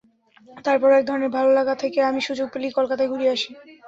তারপরও একধরনের ভালো লাগা থেকে আমি সুযোগ পেলেই কলকাতা ঘুরে আসি।